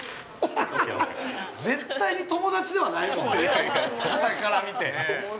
◆絶対に友達ではないぞはたから見て。